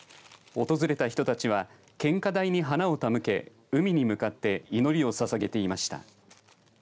訪れた人たちは献花台に花を手向け海に向かって祈りをささげていました。